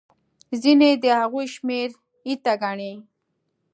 ځینې د هغوی شمېر ایته ګڼي.